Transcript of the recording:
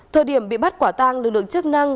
thời điểm bị bắt quả tàng lực lượng chức năng